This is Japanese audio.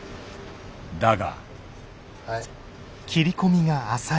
だが。